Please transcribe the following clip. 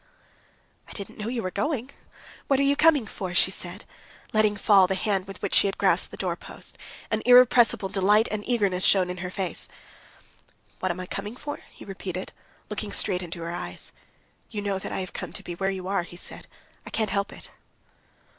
"I didn't know you were going. What are you coming for?" she said, letting fall the hand with which she had grasped the door post. And irrepressible delight and eagerness shone in her face. "What am I coming for?" he repeated, looking straight into her eyes. "You know that I have come to be where you are," he said; "I can't help it."